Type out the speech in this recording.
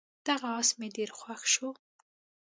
دغه اس مې ډېر خوښ شو.